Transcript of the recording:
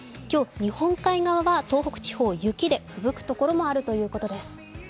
今日、日本海側は東北地方、雪でふぶく所もあるということです。